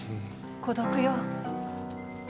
孤独よ。